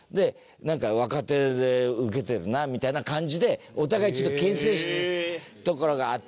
なんか若手でウケてるなみたいな感じでお互いちょっと牽制してたところがあって。